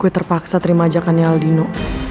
tapi terpaksa terima ajakannya aldino